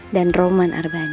dan roman arbani